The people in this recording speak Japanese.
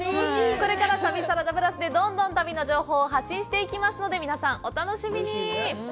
これから「旅サラダＰＬＵＳ」でどんどん旅の情報を発信していきますので、皆さんお楽しみに！